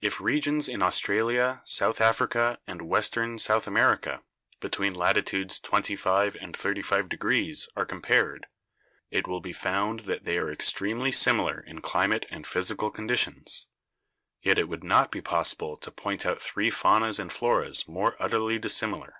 If regions in Australia, South Africa and western South America, between latitudes twenty five and thirty five de grees, are compared, it will be found that they are ex tremely similar in climate and physical conditions; yet it would not be possible to point out three faunas and floras more utterly dissimilar.